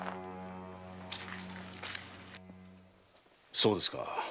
そうですか。